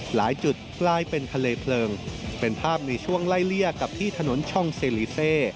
หลายจุดกลายเป็นทะเลเพลิงเป็นภาพในช่วงไล่เลี่ยกับที่ถนนช่องเซลีเซ